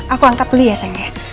aku angkat dulu ya sayang ya